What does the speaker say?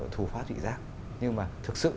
thủ pháp thị giác nhưng mà thực sự